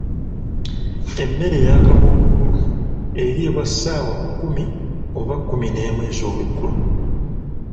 Emmere eyakabundugulu eriibwa ssaawa kkumi oba kumineemu ezoolweggulo.